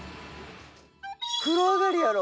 「風呂上がりやろ？」